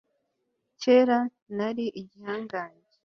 kera nari igihangange